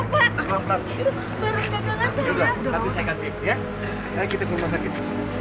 kita ke rumah sakit